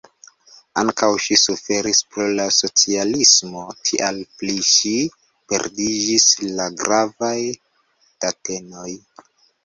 Ankaŭ ŝi suferis pro la socialismo, tial pri ŝi perdiĝis la gravaj datenoj.